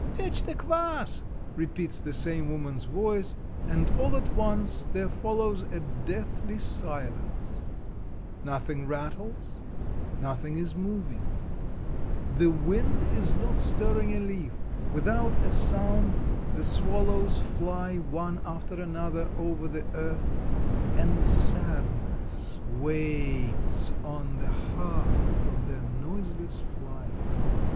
"Fetch the kvas," repeats the same woman's voice, and all at once there follows a deathly silence; nothing rattles, nothing is moving; the wind is not stirring a leaf; without a sound the swallows fly one after another over the earth, and sadness weighs on the heart from their noiseless flight.